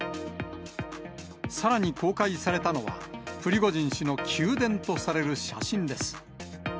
さらに公開されたのは、プリゴジン氏の宮殿とされる写真です。